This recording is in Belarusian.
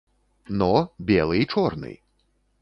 Но, белы і чорны!